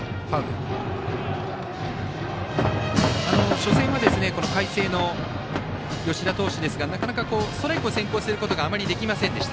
初戦はこの海星の吉田投手ですがなかなかストライクを先行することがあまりできませんでした。